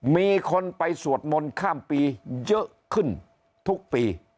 มีคนไปสวดมนต์ข้ามปีเยอะขึ้นทุกปี